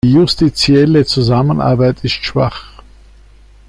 Die justitielle Zusammenarbeit ist schwach.